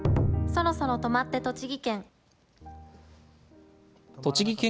そろそろ止まって栃木県！